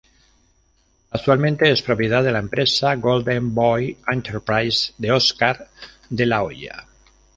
Actualmente es propiedad de la empresa Golden Boy Enterprises de Óscar De La Hoya.